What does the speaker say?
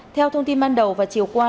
theo thông tin ban đầu và chiều qua